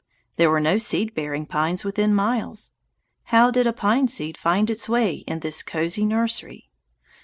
There were no seed bearing pines within miles. How did a pine seed find its way to this cosy nursery?